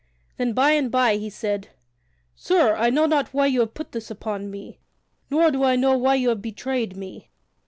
Then by and by he said: "Sir, I know not why you have put this upon me, nor do I know why you have betrayed me.